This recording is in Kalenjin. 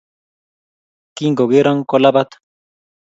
Kingogero kolabat